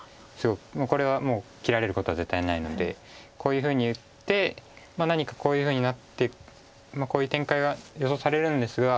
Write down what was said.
これはもう切られることは絶対ないのでこういうふうに打って何かこういうふうになってこういう展開が予想されるんですが。